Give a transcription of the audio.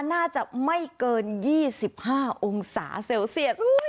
น่าจะไม่เกิน๒๕องศาเซลเซียส